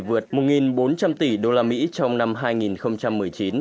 vượt một bốn trăm linh tỷ đô la mỹ trong năm hai nghìn một mươi chín